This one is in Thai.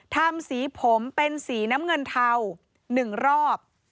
ทำสีผมเป็นสีน้ำเงินเทา๑รอบ